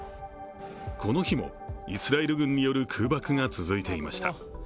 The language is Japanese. この日も、イスラエル軍による空爆が続いていました。